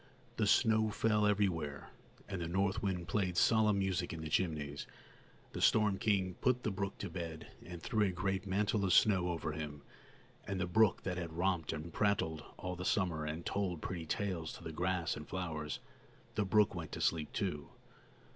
The snow fell everywhere, and the north wind played solemn music in the chimneys. The storm king put the brook to bed, and threw a great mantle of snow over him; and the brook that had romped and prattled all the summer and told pretty tales to the grass and flowers, the brook went to sleep too.